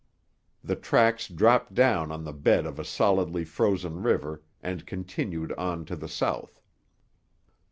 The tracks dropped down on to the bed of a solidly frozen river and continued on to the south.